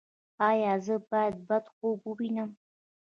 ایا زه باید بد خوب ووینم؟